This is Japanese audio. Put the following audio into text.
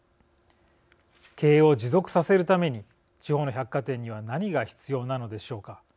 経営を持続させるために地方の百貨店には何が必要なのでしょうか。